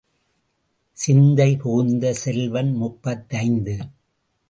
சிந்தை புகுந்த செல்வன் முப்பத்தைந்து.